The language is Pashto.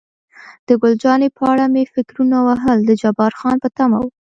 د ګل جانې په اړه مې فکرونه وهل، د جبار خان په تمه وم.